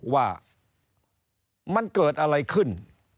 ว่ามันเกิดอะไรขึ้น